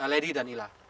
lady dan ila